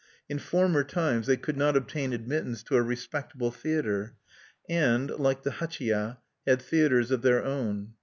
In former times they could not obtain admittance to a respectable theatre; and, like the hachiya, had theatres of their own.